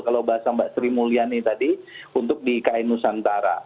kalau bahasa mbak sri mulyani tadi untuk di ikn nusantara